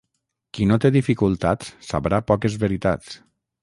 Qui no té dificultats sabrà poques veritats.